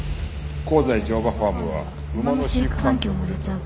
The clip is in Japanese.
「香西乗馬ファームは馬の飼育環境も劣悪で」